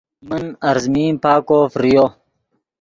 من ارزمین پاکو فریو